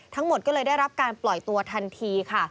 ทั้งหมดก็เลยได้รับการปล่อยตัวทันทีค่ะ